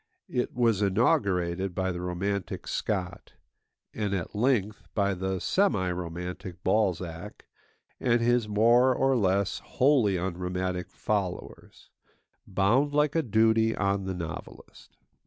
It was inaugurated by the romantic Scott; and at length, by the semi romantic Balzac and his more or less wholly unromantic followers, bound like a duty on the novelist.